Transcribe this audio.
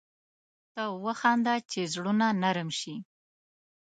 ته وخانده چي زړونه نرم شي